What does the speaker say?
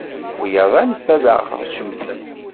Wiyaḍ anef ad aɣ-cemten.